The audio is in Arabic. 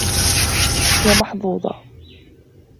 هي محظوظة.